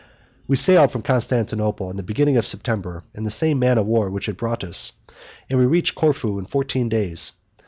We sailed from Constantinople in the beginning of September in the same man of war which had brought us, and we reached Corfu in fourteen days.